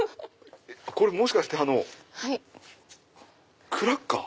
これもしかしてクラッカー？